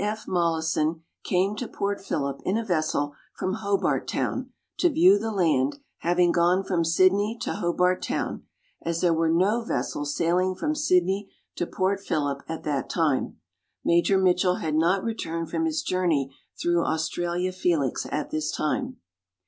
F. Mollison came to Port Phillip in a vessel from Hobart Town, to view the land, having gone from Sydney to Hobart Town, as there were no vessels sailing from Sydney to Port Phillip at that time. (Major Mitchell had not returned from his journey through Australia Felix at this time.)